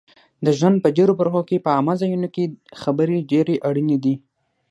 د ژوند په ډېرو برخو کې په عامه ځایونو کې خبرې ډېرې اړینې دي